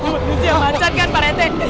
manusia mancat kan para itt